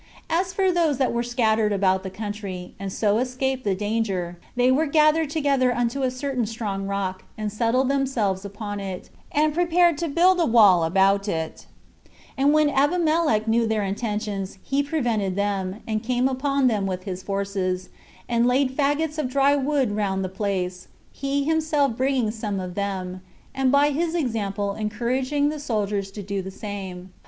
As for those that were scattered about the country, and so escaped the danger, they were gathered together unto a certain strong rock, and settled themselves upon it, and prepared to build a wall about it: and when Abimelech knew their intentions, he prevented them, and came upon them with his forces, and laid faggots of dry wood round the place, he himself bringing some of them, and by his example encouraging the soldiers to do the same.